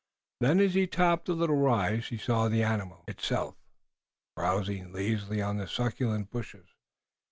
Then, as he topped a little rise, he saw the animal itself, browsing lazily on the succulent bushes.